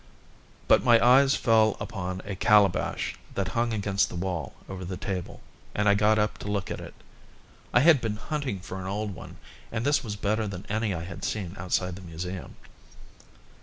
But my eyes fell on a calabash that hung against the wall over the table, and I got up to look at it. I had been hunting for an old one and this was better than any I had seen outside the museum.